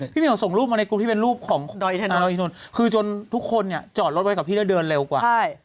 พี่เหมียวส่งรูปมาในกรุ๊ปที่เป็นรูปของอร่อยดนตร์คือจนทุกคนจอดรถไว้กับพี่แล้วเดินเร็วกว่า